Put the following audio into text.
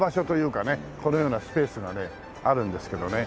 このようなスペースがねあるんですけどね。